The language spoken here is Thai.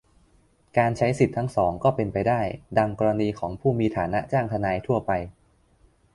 การใช้สิทธิทั้งสองก็เป็นไปได้ - ดังกรณีของผู้มีฐานะจ้างทนายทั่วไป